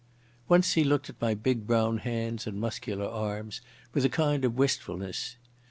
Once he looked at my big brown hands and muscular arms with a kind of wistfulness.